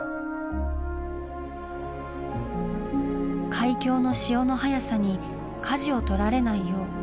海峡の潮の速さにかじをとられないよう